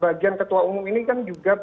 bagian ketua umum ini kan juga